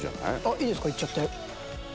いいですかいっちゃって。